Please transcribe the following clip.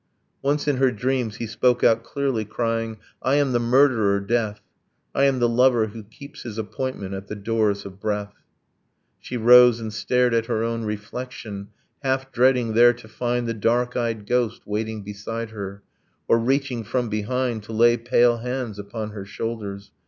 Once, in her dreams, he spoke out clearly, crying, 'I am the murderer, death. I am the lover who keeps his appointment At the doors of breath!' She rose and stared at her own reflection, Half dreading there to find The dark eyed ghost, waiting beside her, Or reaching from behind To lay pale hands upon her shoulders